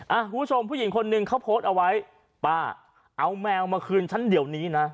คุณผู้ชมผู้หญิงคนนึงเขาโพสต์เอาไว้ป้าเอาแมวมาคืนฉันเดี๋ยวนี้นะ